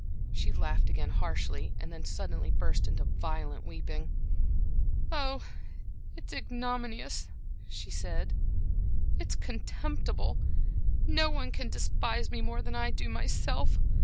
She laughed again harshly and then suddenly burst into violent weeping. "Oh, it's ignominious," she said, "it's contemptible. No one can despise me more than I do myself.